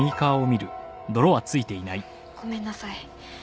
ごめんなさい。